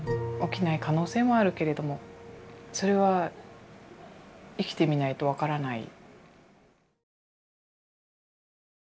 起きない可能性もあるけれどもそれは生きてみないと分からない。